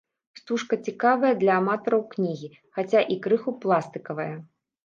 Стужка цікавая для аматараў кнігі, хаця і крыху пластыкавая.